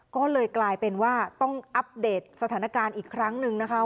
ก็เลยกลายเป็นว่าต้องอัปเดตสถานการณ์อีกครั้งหนึ่งนะคะ